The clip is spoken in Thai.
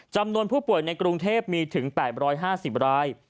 จำนวนผู้ป่วยในกรุงเทพมีถึง๘๕๐ราย